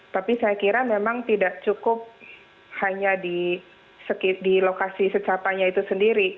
tapi saya kira memang tidak cukup hanya di lokasi secapanya itu sendiri